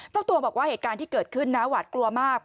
เจ้าตัวบอกว่าเหตุการณ์ที่เกิดขึ้นนะหวาดกลัวมาก